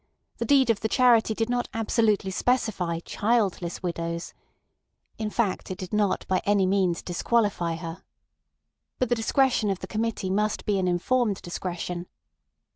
The deed of the Charity did not absolutely specify "childless widows." In fact, it did not by any means disqualify her. But the discretion of the Committee must be an informed discretion.